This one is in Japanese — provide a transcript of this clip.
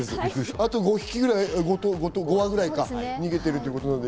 あと、５羽ぐらいか、逃げているということです。